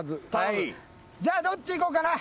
じゃあどっちいこうかな。